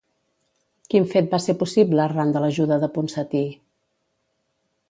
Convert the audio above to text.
Quin fet va ser possible arran de l'ajuda de Ponsatí?